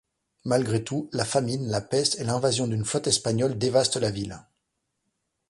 Malgré tout, la famine, la peste et l’invasion d’une flotte espagnole dévastent la ville.